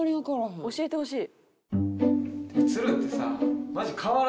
教えてほしい。